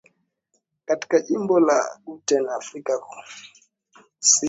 katika jimbo la Gauteng Afrika Kusinibaadhi yao wakiwa